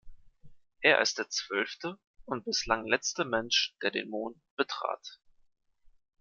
Er ist der zwölfte und bislang letzte Mensch, der den Mond betrat.